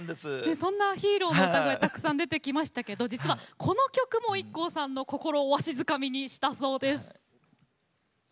そんなヒーローの歌声たくさん出てきましたけど実は、この曲もＩＫＫＯさんの心をわしづかみにしたそうです。